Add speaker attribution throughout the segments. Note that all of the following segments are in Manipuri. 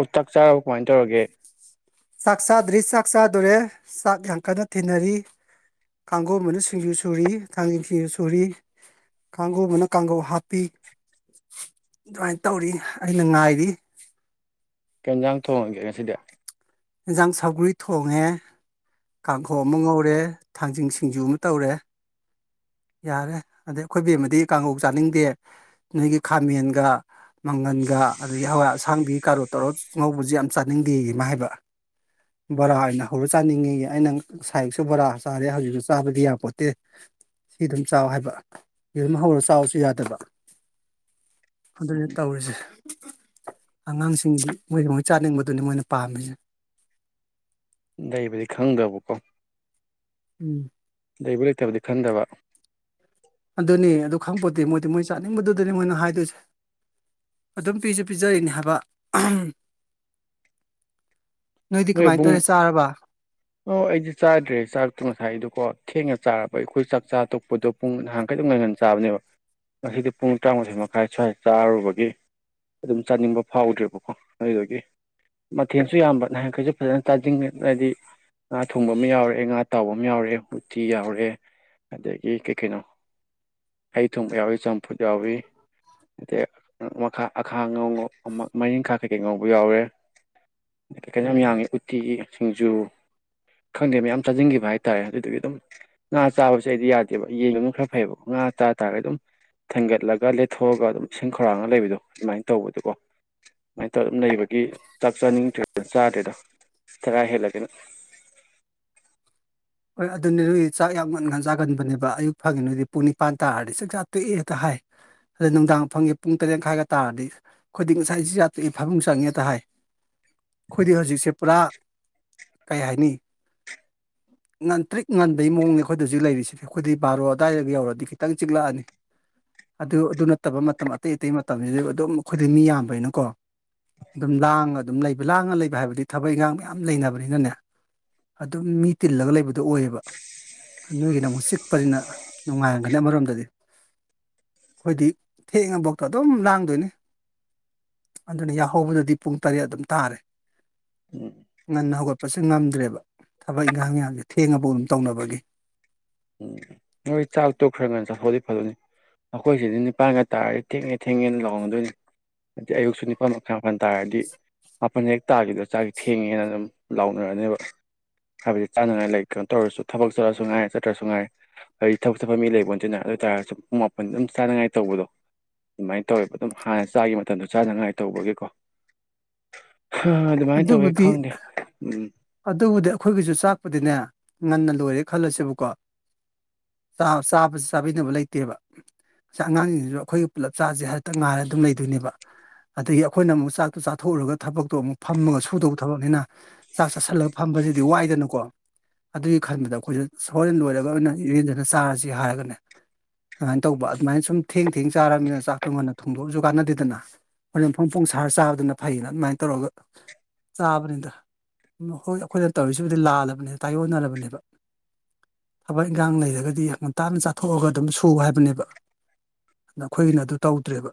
Speaker 1: ꯑꯣ ꯆꯥꯛ ꯆꯥꯔꯔꯕ ꯀꯃꯥꯏꯅ ꯇꯧꯔꯒꯦ
Speaker 2: ꯆꯥꯛ ꯆꯥꯗ꯭ꯔꯤ ꯆꯥꯛ ꯆꯥꯗꯣꯔꯦ ꯆꯥꯛ ꯌꯥꯝꯡ ꯀꯟꯅ ꯊꯤꯟꯅꯔꯤ ꯀꯥꯡꯒꯣ ꯑꯃꯅ ꯁꯤꯡꯖꯨ ꯁꯨꯔꯤ ꯊꯥꯡꯖꯤꯡ ꯁꯤꯡꯖꯨ ꯁꯨꯔꯤ ꯀꯥꯡꯕꯨꯧ ꯃꯅ ꯀꯥꯡꯈꯧ ꯍꯥꯞꯄꯤ ꯑꯗꯨꯃꯥꯏꯅ ꯇꯧꯔꯤ ꯑꯩꯅ ꯉꯥꯏꯔꯤ
Speaker 1: ꯀꯦꯟꯁꯥꯡ ꯊꯣꯡꯉꯒꯦ ꯉꯁꯤꯗꯤ
Speaker 2: ꯑꯦꯟꯖꯥꯡ ꯁꯥꯎꯒ꯭ꯔꯤ ꯊꯣꯡꯉꯦ ꯀꯥꯡꯈꯣ ꯑꯃ ꯉꯧꯔꯦ ꯊꯥꯡꯖꯤꯡ ꯁꯤꯡꯖꯨ ꯑꯃ ꯇꯧꯔꯦ ꯌꯥꯔꯦ ꯑꯗꯩ ꯑꯩꯈꯣꯏꯕꯦꯝꯃꯗꯤ ꯀꯥꯡꯉꯧ ꯆꯥꯅꯤꯡꯗꯦ ꯅꯣꯏꯒꯤ ꯈꯥꯃꯦꯟꯒ ꯃꯪꯒꯟꯒ ꯑꯗꯒꯤ ꯍꯋꯥꯏ ꯑꯁꯥꯡꯕꯤ ꯀꯥꯔꯣ ꯇꯧꯔꯣ ꯑꯉꯧꯕꯁꯤ ꯌꯥꯝ ꯆꯥꯅꯤꯡꯗꯦ ꯏꯃ ꯍꯥꯏꯕ
Speaker 1: [unintelligible]
Speaker 2: ꯕꯣꯔꯥ ꯑꯣꯏꯅ ꯍꯧꯔ ꯆꯥꯅꯤꯡꯉꯤ ꯑꯩꯅ ꯁꯥꯏꯛꯁꯨ ꯕꯣꯔꯥ ꯆꯥꯔꯦ ꯍꯧꯖꯤꯛꯁꯨ ꯆꯥꯕꯗꯤ ꯌꯥꯄꯣꯠꯇꯦ ꯁꯤ ꯑꯗꯨꯝ ꯆꯥꯎ ꯍꯥꯏꯕ ꯁꯤ ꯑꯗꯨꯝ ꯍꯧꯔ ꯆꯥꯎꯔꯁꯨ ꯌꯥꯗꯕ ꯑꯗꯨꯅꯦ ꯇꯧꯔꯤꯁꯦ ꯑꯉꯥꯡꯁꯤꯡꯒꯤꯁꯤ ꯃꯣꯏ ꯃꯣꯏ ꯆꯥꯅꯤꯡꯕꯗꯨꯅꯤ ꯃꯣꯏꯅ ꯄꯥꯝꯃꯤꯁꯦ
Speaker 1: ꯂꯩꯕꯗꯤ ꯈꯪꯗꯕꯀꯣ
Speaker 2: ꯎꯝ
Speaker 1: ꯂꯩꯕꯨ ꯂꯩꯇꯕꯗꯤ ꯈꯟꯗꯕ
Speaker 2: ꯑꯗꯨꯅꯤ ꯑꯗꯨ ꯈꯪꯄꯣꯠꯇꯗꯤ ꯃꯣꯏꯗꯤ ꯃꯣꯏ ꯆꯥꯅꯤꯡꯕꯗꯨꯗꯅꯤ ꯃꯣꯏꯅ ꯍꯥꯏꯗꯣꯏꯁꯦ ꯑꯗꯨꯝ ꯄꯤꯁꯨ ꯄꯤꯖꯔꯤꯅꯤ ꯍꯥꯏꯕ
Speaker 1: [unintelligible]
Speaker 2: ꯅꯣꯏꯗꯤ
Speaker 1: ꯅꯣꯏ
Speaker 2: ꯀꯃꯥꯏꯅ
Speaker 1: ꯄꯕꯨꯡ
Speaker 2: ꯇꯧꯔꯦ ꯆꯥꯔꯕ
Speaker 1: ꯑꯣ ꯑꯩꯗꯤ ꯆꯥꯗ꯭ꯔꯦ ꯆꯥꯥꯛꯛꯇ ꯉꯁꯥꯏꯗꯀꯣ ꯊꯦꯡꯅ ꯆꯥꯔꯕ ꯑꯩꯈꯣꯏ ꯆꯥꯛ ꯆꯥ ꯇꯣꯛꯄꯗꯣ ꯄꯨꯡ ꯅꯍꯥꯟ ꯀꯩꯗꯧ ꯉꯅ ꯆꯥꯕꯅꯦꯕ ꯉꯁꯤꯗꯤ ꯄꯨꯡ ꯇꯔꯥꯃꯥꯊꯣꯏ ꯃꯈꯥꯏ ꯁ꯭ꯋꯥꯏꯗ ꯆꯥꯔꯨꯕꯒꯤ ꯑꯗꯨꯝ ꯆꯥꯅꯤꯡꯕ ꯐꯥꯎꯗ꯭ꯔꯦꯕꯀꯣ ꯑꯗꯨꯗꯒꯤ ꯃꯊꯦꯜꯁꯨ ꯌꯥꯝꯕ ꯅ ꯀꯁꯨ ꯐꯖꯅ ꯇꯥꯖꯤꯡ ꯍꯥꯏꯗꯤ ꯉꯥ ꯊꯣꯡꯕ ꯑꯃ ꯌꯥꯎꯔꯦ ꯉꯥ ꯇꯥꯎꯕ ꯑꯃ ꯌꯥꯎꯔꯦ ꯎꯇꯤ ꯌꯥꯎꯔꯦ ꯑꯗꯒꯤ ꯀꯩ ꯀꯩꯅꯣ ꯍꯩ ꯊꯨꯝꯕ ꯌꯥꯎꯏ ꯆꯝꯐꯨꯠ ꯌꯥꯎꯏ ꯑ ꯃꯈꯥ ꯑꯈꯥ ꯉ ꯃꯔꯤꯡꯈꯥ ꯀꯩꯀꯩ ꯉꯧꯕ ꯌꯥꯎꯔꯦ ꯀꯩꯅꯣ ꯌꯥꯝ ꯌꯥꯡꯉꯤ ꯎꯠꯇꯤ ꯁꯤꯡꯖꯨ ꯈꯪꯗꯦ ꯃꯌꯥꯝ ꯆꯥꯁꯤꯟꯈꯤꯕ ꯍꯥꯏꯇꯥꯔꯦ ꯑꯗꯨꯗꯨꯒꯤ ꯑꯗꯨꯝ ꯉꯥ ꯆꯥꯕꯁꯦ ꯑꯩꯗꯤ ꯌꯥꯗꯦꯕ ꯌꯦꯡꯕ ꯑꯗꯨꯝ ꯈꯔ ꯐꯩꯕ ꯉꯥ ꯑꯥ ꯊꯥ ꯊꯥꯦ ꯑꯗꯨꯝ ꯊꯥꯡꯒꯠꯂꯒ ꯂꯩꯦꯠꯊꯣꯛꯑꯒ ꯑꯗꯨꯝ ꯏꯁꯤꯡ ꯈꯧꯔꯥꯡꯒ ꯂꯩꯕꯗꯣ ꯑꯗꯨꯃꯥꯏꯅ ꯇꯧꯕꯗꯨꯀꯣ ꯁꯨꯃꯥꯏꯅ ꯇꯧꯔꯅ ꯂꯩꯕꯒꯤ ꯆꯥꯛ ꯆꯥꯅꯤꯡꯗꯦ ꯆꯥꯗꯦꯗ ꯆꯔꯥ ꯍꯦꯜꯂꯒꯦꯅ
Speaker 2: ꯍꯣꯏ ꯑꯗꯨꯅꯦ ꯅꯣꯏꯗꯤ ꯆꯥꯛ ꯌꯥꯝ ꯉꯟꯒꯥꯟ ꯆꯥꯒꯟꯕꯅꯦꯕꯌꯨꯛꯪꯉꯤ ꯅꯣꯏꯗꯤ ꯄꯨꯡ ꯅꯤꯄꯥꯟ ꯇꯥꯔꯗꯤ ꯆꯥꯛ ꯆꯥ ꯇꯣꯛꯑꯦꯇꯥ ꯍꯥꯏꯦ ꯍ ꯑꯗꯩ ꯅꯨꯡꯗꯥꯡ ꯐꯪꯉꯦ ꯄꯨꯡ ꯇꯔꯦꯠ ꯃꯈꯥꯏꯒ ꯇꯥꯔꯗꯤ ꯑꯩꯈꯣꯏꯗꯤ ꯉꯁꯥꯏꯁꯨ ꯌꯥꯇ꯭ꯔꯛ ꯐꯥꯃꯨꯡ ꯆꯪꯉꯦꯗ ꯍꯥꯏ ꯑꯩꯈꯣꯏꯗꯤ ꯍꯧꯖꯤꯛꯁꯦ ꯄꯨꯔꯥ ꯀꯩ ꯍꯥꯏꯅꯤ ꯉꯟꯇ꯭ꯔꯤꯛ ꯉꯟꯥꯟꯕꯩ ꯃꯑꯣꯡꯅꯦ ꯑꯩꯈꯣꯏꯗ ꯍꯧꯖꯤꯛ ꯂꯩꯔꯤꯁꯤꯅꯦ ꯑꯩꯈꯣꯏꯗꯤ ꯕꯥꯔꯣ ꯑꯗꯨꯋꯥꯏꯗꯒ ꯌꯧꯔꯗꯤ ꯈꯤꯇꯪ ꯆꯤꯛꯂꯛꯑꯅꯤ ꯑꯗꯨ ꯑꯗꯨ ꯅꯠꯇꯕ ꯃꯇꯝ ꯑꯇꯩ ꯑꯇꯩ ꯃꯇꯝꯁꯤꯗ ꯑꯗꯨꯝ ꯑꯩꯈꯣꯏꯗꯤ ꯃꯤ ꯌꯥꯝꯕꯅꯀꯣ ꯑꯗꯨꯝ ꯂꯥꯡꯉ ꯑꯗꯨꯝ ꯂꯩꯕ ꯂꯥꯡꯉ ꯂꯩꯕ ꯍꯥꯏꯕꯗꯤ ꯊꯕꯛ ꯏꯪꯈꯥꯡ ꯃꯌꯥꯝ ꯂꯩꯅꯕꯅꯤꯅꯅꯦ ꯑꯗꯨꯝ ꯃꯤ ꯇꯤꯜꯂꯒ ꯂꯩꯕꯗꯨꯣ ꯑꯣꯏꯌꯦꯕ ꯅꯣꯏꯒꯤꯗ ꯑꯃꯨꯛ ꯆꯤꯛꯄꯅꯤꯅ ꯅꯨꯡꯉꯥꯏꯔꯝꯒꯅꯤ ꯑꯃꯔꯣꯝꯗꯗꯤ ꯑꯩꯣꯏꯗꯤ ꯊꯦꯡꯉꯐꯥꯎꯗꯣ ꯑꯗꯨꯝ ꯂꯥꯡꯗꯣꯏꯅꯦ ꯑꯗꯨꯅ ꯌꯥꯍꯧꯕꯗꯗꯤ ꯄꯨꯡ ꯇꯔꯦꯠ ꯑꯗꯨꯝ ꯇꯥꯔꯦ
Speaker 1: ꯎꯝ
Speaker 2: ꯉꯟꯅ ꯍꯧꯒꯠꯄꯁꯦ ꯉꯝꯗ꯭ꯔꯦꯕ ꯊꯛ ꯍꯣꯏ ꯏꯟꯈꯥꯡ ꯃꯌꯥꯝꯁꯦ ꯊꯦꯡꯉꯐꯥꯎ ꯑꯗꯨꯝ ꯇꯧꯅꯕꯒꯤ
Speaker 1: ꯎꯝ ꯅꯣꯏ ꯆꯥꯛ ꯇꯣꯛꯈ꯭ꯔꯒꯅ ꯆꯥꯊꯣꯛꯗꯤ ꯐꯗꯅꯤ ꯑꯩꯈꯣꯏꯁꯤꯗꯤ ꯅꯤꯄꯥꯟꯒ ꯇꯥꯔꯗꯤ ꯊꯦꯡꯉꯦ ꯊꯦꯡꯉꯦꯅ ꯂ ꯂꯧꯍꯣꯡꯒꯗꯣꯏꯅꯤ ꯑꯗꯤ ꯑꯌꯛꯁꯨ ꯅꯤꯄꯥꯜ ꯃꯈꯥꯏ ꯋꯥꯄꯟ ꯇꯥꯔꯗꯤ ꯃꯥꯄꯟ ꯍꯦꯛ ꯇꯥꯈꯤꯗꯣ ꯆꯥꯛꯁ ꯊꯦꯡꯉꯦꯅ ꯑꯗꯨꯝ ꯂꯥꯎꯅꯔꯅꯦꯕ ꯍꯥꯏꯕꯗꯤ ꯆꯥꯅꯉꯥꯏ ꯂꯩ ꯀꯩꯅꯣ ꯇꯧꯔꯁꯨ ꯊꯕꯛ ꯆꯠꯔꯁꯨ ꯉꯥꯏꯔ ꯆ ꯅꯠꯇ꯭ꯔꯁꯨ ꯉꯥꯏ ꯍꯥꯏꯗꯤ ꯊꯕꯛ ꯆꯠꯐꯝ ꯃꯤ ꯂꯩꯕꯣ ꯅꯠꯇꯅ ꯑꯗꯨ ꯑꯣꯏ ꯇꯥꯔꯒꯁꯨ ꯄꯨꯡ ꯃꯥꯄꯟ ꯑꯗꯨꯝ ꯆꯥꯅꯉꯥꯏ ꯇꯧꯕꯗꯣ ꯑꯗꯨꯃꯥꯏꯅ ꯇꯧꯋꯦꯕ ꯑꯗꯨꯝ ꯍꯥꯟꯅ ꯆꯥꯈꯤꯕ ꯃꯇꯝꯗ ꯆꯥꯅꯉꯥꯏ ꯇꯧꯕꯒꯤꯀꯣ ꯑꯗꯨꯃꯥꯏꯅ ꯇꯧꯋꯦ
Speaker 2: ꯑꯗꯨꯕꯨꯗꯤ
Speaker 1: ꯈꯪꯗꯦ ꯎꯝ
Speaker 2: ꯑꯗꯨꯕꯨꯗꯤ ꯑꯩꯈꯣꯏꯒꯤꯁꯨ ꯆꯥꯛꯄꯗꯤꯅꯦ ꯉꯟꯅ ꯂꯣꯏꯔꯦ ꯈꯜꯂꯁꯦꯕꯀꯣ ꯆꯥꯕꯁꯨ ꯆꯥꯕꯤꯅꯕ ꯂꯩꯇꯦꯕ ꯉꯁꯥꯏ ꯑꯉꯥꯡꯁꯤꯡꯁꯤꯁꯨ ꯑꯩꯈꯣꯏꯒꯤ ꯄꯨꯜꯂꯞ ꯆꯥꯁꯦ ꯍꯦꯛꯇ ꯉꯥꯏꯔ ꯑꯗꯨꯝ ꯂꯩꯗꯣꯏꯅꯦꯕ ꯑꯗꯒꯤ ꯑꯩꯈꯣꯏꯅ ꯑꯃꯨꯛ ꯆꯥꯛꯇꯣ ꯆꯥꯊꯣꯛꯎꯔꯒ ꯊꯕꯛꯇꯣ ꯑꯃꯨꯛ ꯐꯝꯃꯒ ꯁꯨꯗꯧꯕ ꯊꯕꯛꯅꯤꯅ ꯆꯥꯛ ꯆꯥꯁꯤꯜꯂꯒ ꯐꯝꯕꯁꯤꯗꯤ ꯋꯥꯏꯗꯅꯀꯣ ꯑꯗꯨꯒꯤ ꯈꯟꯕꯗ ꯑꯩꯈꯣꯏꯁꯨ ꯁꯣꯔꯦꯟ ꯂꯣꯏꯔꯒ ꯑꯣꯏꯅ ꯌꯨꯔꯦꯟꯗꯅ ꯆꯥꯔꯁꯤ ꯍꯥꯏꯔꯒꯅꯦ ꯑꯗꯨꯃꯥꯏꯅ ꯇꯧꯕ ꯑꯗꯨꯃꯥꯏꯅ ꯁꯨꯝ ꯊꯦꯡ ꯊꯦꯡ ꯆꯥꯔꯕꯃꯤꯅꯤꯅ ꯆꯥꯛ ꯇꯣꯡꯉꯥꯟꯅ ꯊꯣꯡꯗꯣꯛꯑꯁꯨ ꯀꯥꯟꯅꯗꯦꯗꯅ ꯍꯣꯔꯦꯟꯐꯝ ꯄꯣꯡꯁꯥꯔ ꯆꯥꯕꯗꯨꯅ ꯐꯩꯌꯦꯅ ꯑꯗꯨꯃꯥꯏꯅ ꯇꯧꯔꯒ ꯆꯥꯕꯅꯤꯗ ꯍꯣꯏ ꯑꯩꯈꯣꯏꯅ ꯇꯧꯔꯤꯁꯤꯕꯨꯗꯤ ꯂꯥꯜꯂꯕꯅꯤ ꯇꯥꯏꯌꯣꯟꯅꯔꯕꯅꯦꯕ ꯊꯕꯛ ꯏꯟꯈꯥꯡ ꯂꯩꯔꯒꯗꯤ ꯌꯥꯝꯡ ꯉꯟꯇꯥꯅ ꯆꯥꯊꯣꯛꯑꯒ ꯑꯗꯨꯝ ꯁꯨ ꯍꯥꯏꯕꯅꯦꯕ ꯑꯩꯈꯣꯏꯅ ꯑꯗꯨ ꯇꯧꯗ꯭ꯔꯦꯕ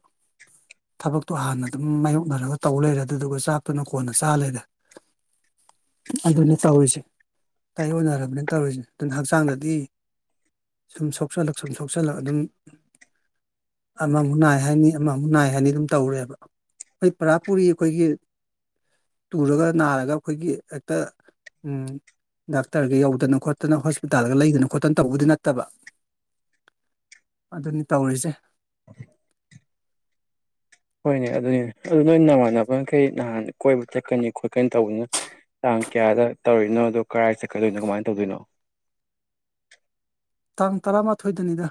Speaker 2: ꯊꯕꯛꯇꯣ ꯍꯥꯟꯅ ꯑꯗꯨꯝ ꯃꯥꯏꯌꯣꯛꯅꯔꯒ ꯇꯧ ꯂꯩꯔꯦ ꯑꯗꯨꯗꯨꯒ ꯆꯥꯛꯇꯨꯅ ꯀꯣꯟꯅ ꯆꯥ ꯂꯩꯔꯦ ꯑꯗꯨꯅꯤ ꯇꯧꯔꯤꯁꯦ ꯇꯥꯏꯌꯣꯟꯅꯔꯕꯅꯤꯅ ꯇꯧꯔꯤꯁꯤꯅ ꯑꯗꯨꯅ ꯍꯛꯆꯥꯡꯗꯗꯤ ꯁꯨꯝ ꯁꯣꯛꯆꯤꯜꯂꯛ ꯁꯨꯝ ꯁꯣꯛꯆꯤꯜꯂꯛ ꯑꯗꯨꯝ ꯑꯃꯃꯨꯛ ꯅꯥꯏ ꯍꯥꯏꯅꯤ ꯑꯃꯃꯨꯛ ꯅꯥꯏ ꯍꯥꯏꯅꯤ ꯑꯗꯨꯝ ꯇꯧꯔꯦꯕ ꯑꯩꯣꯏ ꯄꯨꯔꯥ ꯄꯨꯔꯤ ꯑꯩꯈꯣꯏꯒꯤ ꯇꯨꯔꯒ ꯅꯥꯔꯒ ꯑꯩꯈꯣꯏꯒꯤ ꯍꯦꯛꯇ ꯎꯝ ꯗꯥꯛꯇꯔꯒ ꯌꯧꯗꯅ ꯈꯣꯠꯇꯅ ꯍꯣꯁꯄꯤꯇꯥꯜꯒ ꯂꯩꯗꯅ ꯈꯣꯠꯇꯅ ꯇꯧꯕꯗꯤ ꯅꯠꯇꯕ ꯑꯗꯨꯅꯤ ꯇꯧꯔꯤꯁꯦ
Speaker 1: [inaudible] ꯍꯣꯏꯅꯦ ꯑꯗꯨꯅꯦ ꯑꯗꯨ ꯅꯣꯏ ꯅꯃꯥꯟꯅꯕ ꯃꯈꯩ ꯅꯍꯥꯟ ꯀꯣꯏꯕ ꯆꯠꯀꯅꯤ ꯈꯣꯠꯀꯅꯤ ꯇꯧꯕꯗꯨꯅ ꯀꯌꯥꯗ ꯇꯧꯔꯤꯅꯣ ꯑꯗ‌ꯣ ꯀꯗꯥꯥꯏ ꯆꯠꯀꯗꯣꯏꯅꯣ ꯀꯃꯥꯏꯅ ꯇꯧꯗꯣꯏꯅꯣ
Speaker 2: ꯇꯥꯡ ꯇꯔꯥꯃꯥꯊꯣꯏꯗꯅꯤꯗ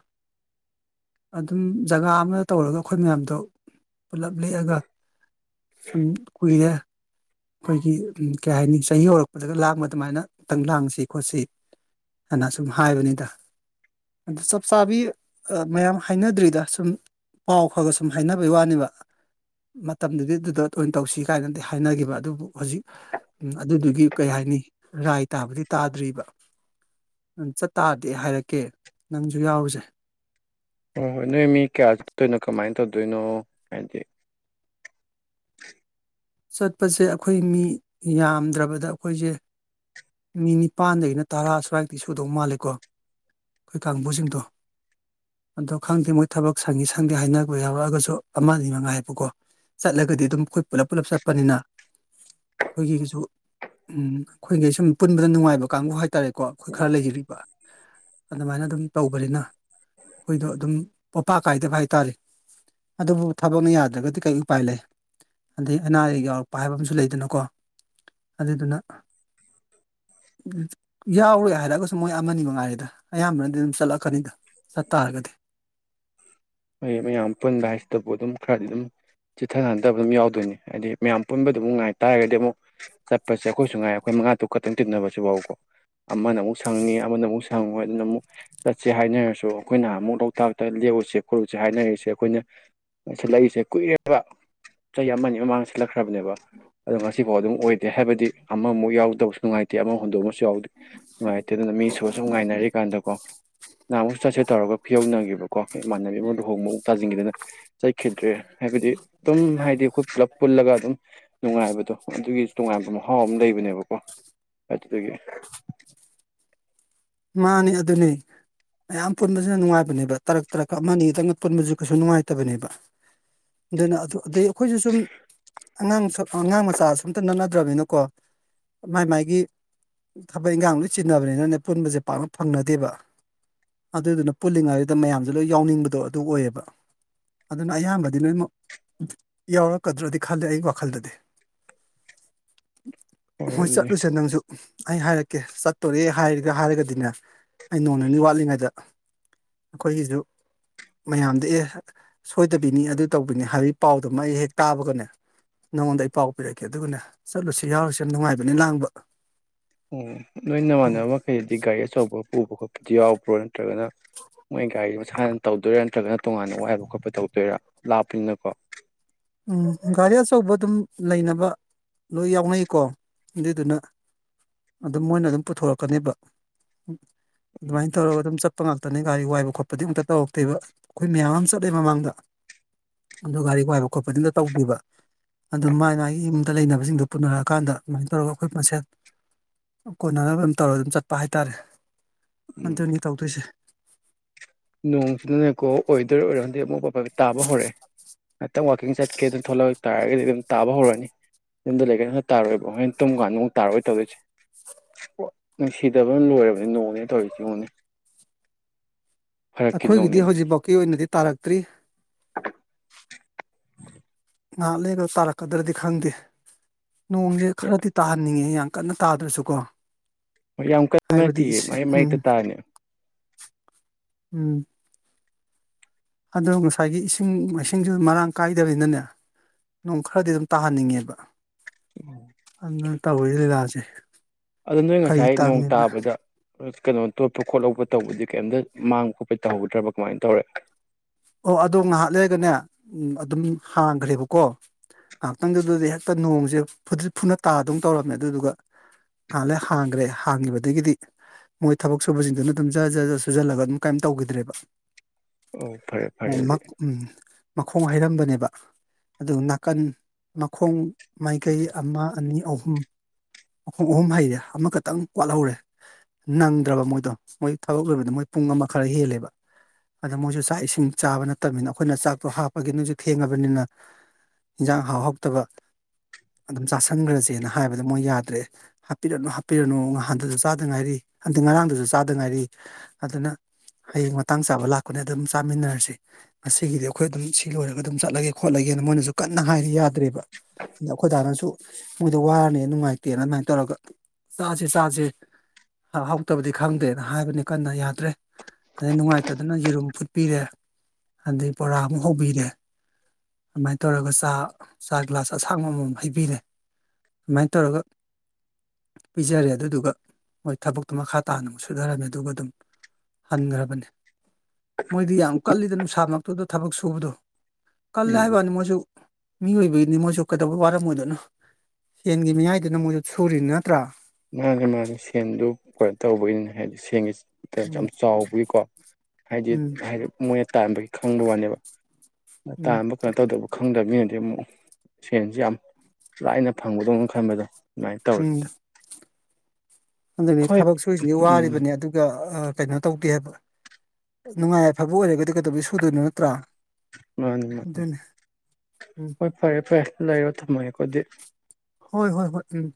Speaker 2: ꯑꯗꯨꯝ ꯖꯒꯥ ꯑꯃ ꯇꯧꯔꯒ ꯑꯩꯈꯣꯏ ꯃꯌꯥꯝꯗꯣ ꯄꯨꯂꯞ ꯂꯦꯛꯑꯒ ꯁꯨꯝ ꯀꯨꯏꯔ‌ꯦ ꯑꯩꯈꯣꯏꯒꯤ ꯀꯩ ꯍꯥꯏꯅꯤ ꯆꯍꯤ ꯍꯧꯔꯛꯄꯗꯒ ꯂꯥꯡꯕ ꯑꯗꯨꯃꯥꯏꯅ ꯈꯤꯇꯪ ꯂꯥꯡꯁꯤ ꯈꯣꯠꯁꯤ ꯍꯥꯏꯅ ꯁꯨꯝ ꯍꯥꯏꯕꯅꯤꯗ ꯑꯗꯨ ꯆꯞ ꯆꯥꯕꯤ ꯃꯌꯥꯝ ꯍꯥꯏꯅꯗ꯭ꯔꯤꯗ ꯁꯨꯝ ꯄꯥꯎ ꯈꯔꯒ ꯁꯨꯝ ꯍꯥꯏꯅꯕꯩ ꯋꯥꯅꯦꯕ ꯃꯇꯝꯗꯨꯗꯤ ꯑꯗꯨꯗ ꯑ‌ꯣꯏꯅ ꯇꯧꯁꯤ ꯀꯥꯏꯅꯗꯤ ꯍꯥꯏꯅꯈꯤꯕ ꯑꯗꯨ ꯑꯗꯨꯕꯨ ꯍꯧꯖꯤꯛ ꯑꯗꯨꯗꯨꯒꯤ ꯀꯩ ꯍꯥꯏꯅꯤ ꯔꯥꯏ ꯇꯥꯕꯗꯤ ꯇꯥꯗ꯭ꯔꯤꯕ ꯆꯠꯇꯥꯥ꯭ꯔꯗꯤ ꯍꯥꯏꯔꯛꯀꯦ ꯅꯪꯁꯨ ꯌꯥꯎꯔꯨꯁꯦ
Speaker 1: ꯍꯣꯏ ꯍꯣꯏ ꯅꯣꯏ ꯃꯤ ꯀꯌꯥ ꯆꯠꯇꯣꯏꯅꯣ ꯀꯃꯥꯏꯅ ꯇꯧꯗꯣꯏꯅꯣ ꯍꯥꯏꯗꯤ
Speaker 2: ꯆꯠꯄꯁꯦ ꯑꯩꯈꯣꯏ ꯃꯤ ꯌꯥꯝꯗ꯭ꯔꯕꯗ ꯑꯩꯈꯣꯏꯁꯦ ꯃꯤ ꯅꯤꯄꯥꯟꯗꯒꯤꯅ ꯇꯔꯥ ꯁ꯭ꯋꯥꯏꯃꯨꯛꯇꯤ ꯁꯨꯗꯧ ꯃꯥꯜꯂꯤꯀꯣ ꯑꯩꯈꯣꯏ ꯀꯥꯡꯕꯨꯁꯤꯡꯗꯣ ꯑꯗꯣ ꯈꯪꯗꯦ ꯃꯣꯏ ꯊꯕꯛ ꯁꯪꯉꯤ ꯁꯪꯗꯦ ꯍꯥꯏꯅꯕ ꯌꯥꯎꯔꯛꯑꯒꯁꯨ ꯑꯃ ꯑꯅꯤ ꯃꯉꯥꯏ ꯍꯥꯏꯕꯀꯣ ꯆꯠꯂꯒꯗꯤ ꯑꯗꯨꯝ ꯑꯩꯈꯣꯏ ꯄꯨꯂꯞ ꯄꯨꯂꯞ ꯆꯠꯄꯅꯤꯅ ꯑꯩꯈꯣꯏꯒꯤꯁꯨ ꯎꯝ ꯑꯩꯈꯣꯏꯒꯤ ꯁꯨꯝ ꯄꯨꯟꯕꯗ ꯅꯨꯡꯉꯥꯏꯕ ꯀꯥꯡꯕꯨ ꯍꯥꯏꯇꯥꯔꯦ ꯀꯣ ꯑꯩꯈꯣꯏ ꯈꯔ ꯂꯩꯔꯤꯕ ꯑꯗꯨꯃꯥꯏꯅ ꯑꯗꯨꯝ ꯇꯧꯕꯅꯤꯅ ꯑꯩꯈꯣꯏꯗꯣ ꯑꯗꯨꯝ ꯄꯣꯠꯄꯥ ꯀꯥꯏꯗꯕ ꯍꯥꯏꯇꯥꯔꯦ ꯑꯗꯨꯕꯨ ꯊꯕꯛꯅ ꯌꯥꯗ꯭ꯔꯒꯗꯤ ꯀꯩ ꯎꯄꯥꯏ ꯂꯩ ꯑꯗꯒꯤ ꯑꯅꯥ ꯑꯥꯥꯌ‌ꯦꯛ ꯌꯥꯎꯔꯛꯄ ꯍꯥꯏꯕ ꯑꯃꯁꯨ ꯂꯩꯗꯅꯀꯣ ꯑꯗꯨꯗꯨꯅ ꯌꯥꯎꯔ‌ꯣꯏ ꯍꯥꯏꯔꯛꯑꯒꯁꯨ ꯃꯣꯏ ꯑꯃ ꯑꯅꯤ ꯃꯉꯥꯏꯔ‌ꯦꯗ ꯑꯌꯥꯝꯕꯅꯗꯤ ꯑꯗꯨꯝ ꯆꯠꯂꯛꯀꯅꯤꯗ ꯆꯠꯇ ꯔꯒꯗꯤ
Speaker 1: ꯃ ꯃꯌꯥꯝ ꯄꯨꯟꯗ ꯍꯥꯏꯁꯤꯗꯕꯨ ꯑꯗꯨꯝ ꯈꯔꯗꯤ ꯑꯗꯨꯝ ꯆꯤꯊ ꯅꯥꯟꯗꯕ ꯑꯗꯨꯝ ꯌꯥꯎꯗꯣꯏꯅꯤ ꯍꯥꯏꯗꯤ ꯃꯌꯥꯝ ꯄꯨꯟꯕꯗ ꯑꯃꯨꯛ ꯉꯥꯏ ꯇꯥꯔꯒꯗꯤ ꯑꯃꯨꯛ ꯆꯠꯄꯁꯦ ꯑꯩꯈꯣꯏꯁꯨ ꯉꯥꯏ ꯑꯩꯈꯣꯏ ꯃꯉꯥ ꯇꯥꯔꯨꯛ ꯈꯛ ꯄꯨꯟꯕꯁꯤꯗ ꯑꯃꯅ ꯑꯃꯨꯛ ꯁꯪꯅꯤ ꯑꯃꯅ ꯑꯃꯨꯛ ꯊꯪꯉꯣꯏ ꯑꯗꯨꯅ ꯑꯃꯨꯛ ꯆꯠꯁꯦ ꯍꯥꯏꯅꯔꯁꯨ ꯑꯩꯈꯣꯏꯅ ꯑꯃꯨꯛ ꯂꯣꯛꯇꯥꯛꯇ ꯂꯦꯛꯎꯁꯦ ꯀ꯭ꯔꯨꯁꯦ ꯍꯥꯏꯅꯔꯤꯁꯦ ꯑꯩꯈꯣꯏꯅ ꯁꯤꯜꯂꯛꯏꯁꯦ ꯀꯨꯏꯔ‌ꯦꯕ ꯆꯍꯤ ꯑꯃꯅꯤ ꯃꯃꯥꯡꯗ ꯁꯤꯠꯂꯛꯈ꯭ꯔꯕꯅꯦꯕ ꯑꯗꯣ ꯉꯁꯤꯐꯥꯎ ꯑꯗꯨꯝ ꯑꯣꯏꯗꯦ ꯍꯥꯏꯕꯗꯤ ꯑꯃꯃꯨꯛ ꯌꯥꯎꯗꯕꯁꯨ ꯅꯨꯡꯉꯥꯏꯇꯦ ꯑꯃ ꯍꯨꯟꯗꯣꯛꯑꯁꯨ ꯌꯥꯎꯗ ꯅꯨꯡꯉꯥꯏꯇꯦ ꯑꯗꯨꯅ ꯃꯤꯁꯨꯕ ꯁꯨꯝ ꯉꯥꯏꯅꯔꯤꯀꯥꯟꯗꯀꯣ ꯅꯍꯥꯟꯃꯨꯛ ꯆꯠꯁꯦ ꯇꯧꯔꯒ ꯐꯤꯌꯧꯅꯈꯤꯕꯀꯣ ꯏꯃꯥꯟꯅꯕꯤ ꯑꯃ ꯂꯨꯍꯣꯡꯕ ꯃꯨꯛ ꯇꯥꯁꯤꯟꯈꯤꯗꯅ ꯆꯠꯈꯤꯗ꯭ꯔꯦ ꯍꯥꯏꯕꯗꯤ ꯑꯗꯨꯝ ꯍꯥꯏꯗꯤ ꯑꯩꯈꯣꯏ ꯄꯨꯂꯞ ꯄꯨꯜꯂꯒ ꯑꯗꯨꯝ ꯅꯨꯡꯉꯥꯏꯕꯗꯣ ꯑꯗꯨꯒꯤ ꯇꯣꯉꯥꯟꯕ ꯃꯍꯥꯎ ꯑꯃ ꯂꯩꯕꯅꯦꯕꯀꯣ ꯑꯗꯨꯗꯒꯤ
Speaker 2: ꯃꯥꯅꯤ ꯑꯗꯨꯅꯦ ꯃꯌꯥꯝ ꯄꯨꯟꯕꯁꯤꯅ ꯅꯨꯡꯉꯥꯏꯕꯅꯦꯕ ꯇꯔꯛ ꯇꯔꯛ ꯑꯃ ꯑꯅꯤꯗꯪꯅ ꯄꯨꯟꯕꯁꯨ ꯀꯩꯁꯨ ꯅꯨꯡꯉꯥꯏꯇꯕꯅꯦꯕ ꯑꯗꯨꯅ ꯑꯗꯨ ꯑꯗꯩ ꯑꯩꯈꯣꯏꯁꯨ ꯁꯨꯝ ꯑꯉꯥꯡꯁꯨ ꯑꯉꯥꯡ ꯃꯆꯥꯁꯨ ꯑꯝꯇ ꯅꯠꯅꯗ꯭ꯔꯃꯤꯅꯀꯣ ꯃꯥꯏ ꯃꯥꯥꯏꯒꯤ ꯊꯕꯛ ꯏꯟꯈꯥꯡ ꯂꯣꯏ ꯆꯤꯟꯅꯕꯅꯤꯅꯅꯦ ꯄꯨꯟꯕꯁꯦ ꯄꯥꯛꯅ ꯐꯪꯅꯗꯦꯕ ꯑꯗꯨꯗꯨꯅ ꯄꯨꯜꯂꯤꯉꯩꯗꯨꯗ ꯃꯌꯥꯝꯁꯦ ꯂꯣꯏ ꯌꯥꯎꯅꯤꯡꯕꯗꯣ ꯑꯗꯨ ꯑꯣꯏꯌꯦꯕ ꯑꯗꯨꯅ ꯑꯌꯥꯝꯕꯗꯤ ꯂꯣꯏꯅꯃꯛ ꯌꯥꯎꯔꯛꯀꯗ꯭ꯔꯗꯤ ꯈꯜꯂꯦ ꯑꯩ ꯋꯥꯈꯜꯗꯗꯤ
Speaker 1: [inaudible]
Speaker 2: ꯍꯣꯏ ꯆꯠꯂꯨꯁꯦ ꯅꯪꯁꯨ ꯑꯩ ꯍꯥꯏꯔꯛꯀꯦ ꯆꯠꯇꯣꯔꯦ ꯍꯥꯏꯔꯒ ꯍꯥꯏꯔꯒꯗꯤ ꯑꯩ ꯅꯣꯡ ꯅꯤꯅꯤ ꯋꯥꯠꯂꯤꯉꯩꯗ ꯑꯩꯈꯣꯏꯒꯤꯁꯨ ꯃꯌꯥꯝꯗ ꯑꯦ ꯁꯣꯏꯗꯕꯤꯅꯤ ꯑꯗꯨ ꯇꯧꯕꯤꯅꯤ ꯍꯥꯏꯕ ꯄꯥꯎꯗꯨꯃ ꯑꯩ ꯍꯦꯛ ꯇꯥꯕꯒꯅꯦ ꯅꯉꯣꯟꯗ ꯑꯩ ꯄꯥꯎ ꯄꯤꯔꯛꯀꯦ ꯑꯗꯨꯒꯅꯦ ꯆꯠꯂꯨꯁꯤ ꯌꯥꯎꯔꯨꯁꯤ ꯌꯥꯝ ꯅꯨꯡꯉꯥꯏꯕꯅꯤ ꯂꯥꯡꯕ
Speaker 1: ꯑꯣ ꯂꯣꯏ ꯅꯃꯥꯟꯅꯕ ꯃꯈꯩꯗꯤ ꯒꯥꯔꯤ ꯑꯆꯧꯕ ꯎꯕ ꯈꯣꯠꯄꯗꯨ ꯌꯥꯎꯕ꯭ꯔꯣ ꯅꯠꯇ꯭ꯔꯒꯅ ꯃꯣꯏ ꯒꯥꯔꯤ ꯃꯁꯥ ꯍꯥꯟꯅ ꯇꯧꯗꯣꯏꯔꯥ ꯅꯠꯇ꯭ꯔꯒꯅ ꯇꯣꯉꯥꯟꯅ ꯋꯥ ꯍꯥꯏꯕ ꯈꯣꯠꯄ ꯇꯧꯗꯣꯏꯔꯥ ꯂꯥꯞꯄꯅꯤꯅꯀꯣ
Speaker 2: ꯎꯝ ꯒꯥꯔꯤ ꯑꯆꯧꯕ ꯑꯗꯨꯝ ꯂꯩꯅꯕ ꯂꯣꯏ ꯌꯥꯎꯅꯩꯀꯣ ꯑꯗꯨꯏꯗꯨꯅ ꯑꯗꯨꯝ ꯃꯣꯏꯅ ꯑꯗꯨꯝ ꯄꯨꯊꯣꯔꯛꯀꯅꯦꯕ ꯑꯗꯨꯃꯥꯏꯅ ꯇꯧꯔꯒ ꯑꯗꯨꯝ ꯆꯠꯄ ꯉꯥꯛꯇ ꯈꯠꯇꯅꯤ ꯒꯥꯔꯤ ꯋꯥꯏꯕ ꯈꯣꯠꯄꯗꯤ ꯑꯃꯨꯛꯇ ꯇꯧꯔꯛꯇꯦꯕ ꯑꯩꯈꯣꯏ ꯃꯌꯥꯝ ꯑꯃ ꯆꯠꯂꯦ ꯃꯃꯥꯡꯗ ꯑꯗꯨ ꯒꯥꯔꯤ ꯋꯥꯏꯕ ꯈꯣꯠꯄꯗꯨꯗ ꯇꯧꯕꯤꯕ ꯑꯗꯨ ꯃꯥꯏ ꯃꯥꯒꯤ ꯌꯨꯝꯗ ꯂꯩꯅꯕꯁꯤꯡꯗꯨꯣ ꯄꯨꯅꯔꯛꯑꯀꯥꯟꯗ ꯑꯗꯨꯃꯥꯏꯅ ꯇꯧꯔꯒ ꯑꯩꯈꯣꯏ ꯃꯁꯦꯜ ꯀꯣꯟꯅꯅꯕ ꯑꯗꯨꯝ ꯇꯧꯔ ꯑꯗꯨꯝ ꯆꯠꯄ ꯍꯥꯏꯇꯥꯔꯦ ꯑꯗꯨꯅꯤ ꯇꯧꯗꯣꯏꯁꯦ
Speaker 1: ꯅꯣꯡꯁꯤꯗꯅꯦꯀꯣ ꯑꯣꯏꯗꯣꯏꯔ ꯑꯣꯏꯔꯗꯤ ꯑꯃꯨꯛ ꯄꯄꯒ ꯇꯥꯕ ꯍꯧꯔꯛꯑꯦ ꯉꯍꯥꯛꯪ ꯋꯥꯥꯛꯀꯤꯡ ꯆꯠꯀꯦ ꯊꯣꯛꯂꯛ ꯇꯥꯔꯒꯗꯤ ꯑꯗꯨꯝ ꯇꯕ ꯍꯧꯔꯣꯏꯅꯤ ꯌꯨꯝꯗ ꯂꯩꯀ ꯇꯥꯔꯣꯏꯕꯣ ꯍꯩꯅ ꯇꯨꯝꯀꯥꯟꯗ ꯑꯃꯨꯛ ꯇꯥꯔꯣꯏ ꯇꯧꯗꯣꯏꯁꯦ ꯅꯨꯡꯁꯤꯗꯕꯅ ꯂꯣꯏꯔꯕꯅꯤ ꯅꯣꯡꯅꯦ ꯇꯧꯔꯤꯁꯤꯉꯨꯅꯤ
Speaker 2: ꯑꯩꯈꯣꯏꯒꯤꯗꯤ ꯍꯧꯖꯤꯛꯐꯥꯎꯀꯤ ꯑꯣꯏꯅꯗꯤ ꯇꯥꯔꯛꯇ꯭ꯔꯤ ꯉꯥꯏꯍꯥꯛ ꯂꯩꯔꯒ ꯇꯥꯔꯛꯀꯗ꯭ꯔꯗꯤ ꯈꯪꯗꯦ ꯅꯣꯡꯁꯦ ꯈꯔꯗꯤ ꯇꯥꯍꯟꯅꯤꯡꯉꯦ ꯀꯟꯅ ꯇꯥꯗ꯭ꯔꯁꯨꯀꯣ
Speaker 1: ꯌꯥꯝ ꯀꯟꯟꯅ
Speaker 2: ꯍꯥꯏꯕꯗꯤ
Speaker 1: ꯊꯤ ꯃꯩ ꯃꯩꯛꯇ
Speaker 2: ꯎꯝ
Speaker 1: ꯇꯥꯅꯤ
Speaker 2: ꯎꯝ ꯑꯗꯣ ꯉꯁꯥꯏꯒꯤ ꯏꯁꯤꯡ ꯃꯥꯏꯁꯤꯡꯁꯨ ꯃꯔꯥꯡ ꯀꯥꯏꯗꯅꯤꯅꯅꯦ ꯅꯣꯡ ꯈꯔꯗꯤ ꯑꯗꯨꯝ ꯇꯥꯍꯟꯅꯤꯡꯉꯦꯕ ꯑꯗꯨꯅ ꯇꯧꯔꯤ ꯂꯤꯂꯥꯁꯦ
Speaker 1: ꯑꯗꯨ ꯅꯣꯏ
Speaker 2: ꯀꯔꯤ
Speaker 1: ꯉꯁꯥꯏ ꯅꯣꯡ
Speaker 2: ꯇꯥꯝꯃꯤꯕ
Speaker 1: ꯇꯥꯕꯗ ꯀꯩꯅꯣ ꯇꯣꯠꯄ ꯈꯣꯠꯍꯧꯕ ꯇꯧꯕꯗꯤ ꯀꯩꯝꯇ ꯃꯥꯡꯕ ꯈꯣꯠꯄꯩ ꯇꯧꯍꯧꯗ꯭ꯔꯕ ꯀꯃꯥꯏꯅ ꯇꯧꯔꯦ
Speaker 2: ꯑꯣ ꯑꯗꯣ ꯉꯥꯏꯍꯥꯛ ꯂꯩꯔꯒꯅꯦ ꯑꯗꯨꯝ ꯍꯥꯡꯈ꯭ꯔꯦꯕꯀꯣ ꯉꯥꯏꯍꯥꯛꯇꯪꯗꯨꯗꯗꯤ ꯍꯦꯛꯇ ꯅꯣꯡꯁꯦ ꯐꯨꯗ꯭ꯔꯤꯠ ꯐꯨꯅ ꯇꯥꯗꯅ ꯇꯧꯔꯝꯃꯦ ꯑꯗꯨꯗꯨꯒ ꯑꯍꯥꯟꯂꯦ ꯍꯥꯡꯈ꯭ꯔꯦ ꯍꯥꯡꯈꯤꯕꯗꯒꯤꯗꯤ ꯃꯣꯏ ꯊꯕꯛ ꯁꯨꯕꯁꯤꯡꯗꯨꯅ ꯑꯗꯨꯝ ꯖ ꯖ ꯖ ꯁꯨꯖꯜꯂꯒ ꯑꯗꯨꯝ ꯀꯩꯝ ꯇꯧꯈꯤꯗ꯭ꯔꯦꯕ
Speaker 1: ꯑꯣ ꯐꯔꯦꯦ
Speaker 2: ꯃꯈꯣꯡ ꯍꯩꯔꯝꯕꯅꯦꯕ ꯑꯗꯨ ꯅꯥꯀꯟ ꯃꯈꯣꯡ ꯃꯥꯏꯀꯩ ꯑꯃ ꯑꯅꯤ ꯑꯍꯨꯝ ꯑꯨꯝ ꯑꯍꯨꯝ ꯍꯩꯔꯦ ꯑꯃꯈꯛꯇꯪ ꯋꯥꯠꯍꯧꯔꯦ ꯅꯪꯗ꯭ꯔꯕ ꯃꯣꯏꯗꯣ ꯃꯣꯏ ꯊꯕꯛ ꯂꯣꯏꯕꯗ ꯃꯣꯏ ꯄꯨꯡ ꯑꯃ ꯈꯔ ꯍꯦꯜꯂꯦꯕ ꯑꯗ ꯃꯣꯏꯁꯨ ꯆꯥꯛ ꯏꯁꯤꯡ ꯆꯥꯕ ꯅꯠꯇꯕꯅꯤꯅ ꯑꯩꯈꯣꯏꯅ ꯆꯥꯛꯇꯣ ꯍꯥꯞꯄꯒꯤ ꯅꯣꯏꯁꯨ ꯊꯦꯡꯉꯕꯅꯤꯅ ꯖꯥꯡ ꯍꯍꯧꯕꯇꯕ ꯑꯗꯨꯝ ꯆꯥꯥꯁꯟꯈ꯭ꯔꯁꯦꯅ ꯍꯥꯏꯕꯗ ꯃꯣꯏ ꯌꯥꯗ꯭ꯔꯦ ꯍꯥꯞꯄꯤꯔꯅꯨ ꯍꯥꯞꯄꯤꯔꯅꯨ ꯉꯍꯥꯟꯗꯁꯨ ꯆꯥꯗ ꯉꯥꯏꯔꯤ ꯑꯗ ꯉꯔꯥꯡꯗꯨꯁꯨ ꯆꯥꯗ ꯉꯥꯏꯔꯤ ꯑꯗꯨꯅ ꯍꯌꯦꯡ ꯃꯇꯥꯡ ꯆꯥꯕ ꯂꯥꯛꯄꯅꯦ ꯑꯗꯨꯝ ꯆꯥꯃꯤꯟꯅꯔꯁꯤ ꯉꯒꯤꯗꯤ ꯑꯩꯈꯣꯏ ꯑꯗꯨꯝ ꯁꯤ ꯂꯣꯏꯔꯒ ꯑꯗꯨꯝ ꯆꯠꯂꯒꯦ ꯈꯣꯠꯂꯒꯦꯅ ꯃꯣꯏꯅꯁꯨ ꯀꯟꯅ ꯍꯥꯏꯗꯤ ꯌꯥꯗ꯭ꯔꯦꯕ ꯑꯗ ꯑꯩꯈꯣꯏꯗꯥꯅꯁꯨ ꯃꯣꯏꯗ ꯋꯥꯔꯅꯤ ꯅꯨꯡꯉꯥꯏꯇꯦꯅ ꯑꯗꯨꯃꯥꯏꯅ ꯇꯧꯔꯒ ꯆꯥꯁꯦ ꯆꯥꯁꯦ ꯍꯥꯎꯇꯕꯗꯤ ꯈꯪꯗꯦꯅ ꯍꯥꯏꯕꯅꯤ ꯀꯟꯅ ꯌꯥꯗ꯭ꯔꯦ ꯑꯗꯩ ꯅꯨꯡꯉꯥꯏꯇꯗꯅ ꯌꯦꯔꯨꯝ ꯐꯨꯠꯄꯤꯔꯦ ꯑꯗꯩ ꯕꯣꯔꯥ ꯑꯃꯨꯛ ꯍꯧꯕꯤꯔꯦ ꯑꯗꯨꯃꯥꯏꯅ ꯇꯧꯔꯒ ꯆꯥ ꯆꯥ ꯒ꯭ꯂꯥꯁ ꯑꯁꯥꯡꯕꯃꯝ ꯍꯩꯕꯤꯔꯦ ꯑꯗꯨꯃꯥꯏꯅ ꯇꯧꯔꯒ ꯄꯤꯖꯔꯦ ꯑꯗꯨꯗꯨꯒ ꯃꯣꯏ ꯊꯕꯛꯇꯣ ꯃꯈꯥ ꯇꯥꯅ ꯑꯃꯨꯛ ꯁꯨꯊꯔꯝꯃꯦ ꯑꯗꯨꯒ ꯑꯗꯨꯝ ꯍꯟꯈ꯭ꯔꯕꯅꯤ ꯃꯣꯏꯗꯤ ꯌꯥꯝ ꯀꯜꯂꯤꯗ ꯅꯨꯡꯁꯥꯃꯛꯇꯨꯗ ꯊꯕꯛ ꯁꯨꯕꯗꯣ ꯀꯜꯂꯦ
Speaker 1: ꯎꯝ
Speaker 2: ꯍꯥꯏꯕ ꯋꯥꯅꯤ ꯃꯣꯏꯁꯨ ꯃꯤꯏꯕꯒꯤꯅꯤ ꯃꯣꯏꯁꯨ ꯀꯩꯗꯧꯕ ꯋꯥꯔꯝ ꯑꯣꯏꯗꯣꯏꯅꯣ ꯁꯦꯟꯒꯤ ꯃꯌꯥꯏꯗꯨꯅ ꯃꯣꯏꯁꯨ ꯁꯨꯔꯤꯅꯤ ꯅꯠꯇ꯭ꯔꯥ
Speaker 1: ꯃꯥꯅꯦ ꯃꯥꯅꯤ ꯁꯦꯟꯗꯨ ꯀꯩꯅꯣ ꯇꯧꯕꯒꯤꯅꯤꯅꯦ ꯍꯥꯏꯕꯗꯤ ꯁꯦꯟꯒꯤ ꯌꯥꯝ
Speaker 2: ꯎꯝ
Speaker 1: ꯆꯥꯎꯕꯒꯤꯀꯣ ꯍꯥꯏꯗꯤ
Speaker 2: ꯎꯝ
Speaker 1: ꯍꯥꯏꯗꯤ ꯃꯣꯏꯅ ꯇꯥꯝꯕꯒꯤ ꯈꯪꯕ ꯋꯥꯅꯦꯕ
Speaker 2: ꯎꯝ
Speaker 1: ꯇꯥꯥꯟꯕ ꯀꯩꯅꯣ ꯇꯧꯗꯕ ꯈꯪꯗꯕ ꯃꯤꯅꯗꯤ ꯁꯤ ꯑꯃꯨꯛ ꯁꯦꯟꯁꯤ ꯌꯥꯝ ꯂꯥꯏꯅ ꯐꯪꯕꯗꯧꯅ ꯈꯟꯕꯗꯣ ꯑꯗꯨꯃꯥꯏꯅ ꯇꯧꯔꯤꯦꯗ
Speaker 2: ꯑꯗꯨꯅꯦ ꯊꯕꯛ ꯁꯨꯔꯤꯁꯤꯁꯤ
Speaker 1: ꯎꯝ
Speaker 2: ꯋꯥꯔꯤꯕꯅꯤ ꯑꯗꯨꯒ ꯀꯩꯅꯣ ꯇꯧꯗꯦ ꯍꯥꯏꯕ ꯅꯨꯡꯉꯥꯏ ꯌꯥꯏꯐꯕ ꯑꯣꯏꯔꯒꯗꯤ ꯀꯩꯗꯧꯕꯩ ꯁꯨꯗꯣꯏꯅꯣ ꯅꯠꯇ꯭ꯔꯥ
Speaker 1: ꯃꯥꯅꯤ ꯃꯥꯅꯤ
Speaker 2: ꯑꯗꯨꯅꯤ ꯎꯝ
Speaker 1: ꯍꯣꯏ ꯐꯔꯦ ꯐꯔꯦ ꯂꯩꯔꯣ ꯊꯝꯃꯒꯦꯀꯣꯗꯤ
Speaker 2: ꯍꯣꯏ ꯍꯣꯏ ꯍꯣꯏ ꯎꯝ